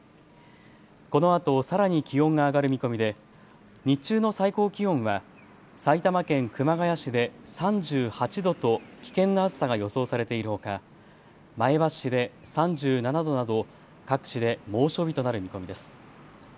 このあと、さらに気温が上がる見込みで日中の最高気温は埼玉県熊谷市で３８度と危険な暑さが予想されているほか前橋市で３７度など各地で猛暑日となる見込みです。